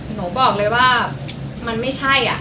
หนูบอกเลยว่ามันไม่ใช่